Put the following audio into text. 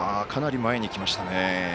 かなり前に来ましたね。